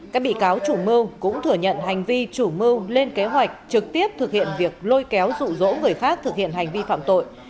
các bị cáo chủ mưu cũng thừa nhận hành vi chủ mưu lên kế hoạch trực tiếp thực hiện việc lôi kéo rụ rỗ người khác thực hiện hành vi phạm tội